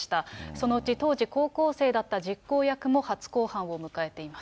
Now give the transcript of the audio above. そのうち当時高校生だった実行役も初公判を迎えています。